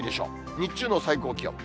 日中の最高気温。